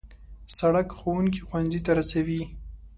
سړک ښوونکي ښوونځي ته رسوي.